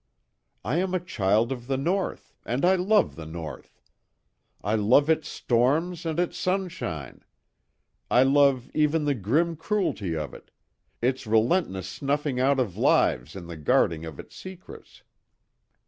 I am a child of the North, and I love the North. I love its storms and its sunshine. I love even the grim cruelty of it its relentless snuffing out of lives in the guarding of its secrets.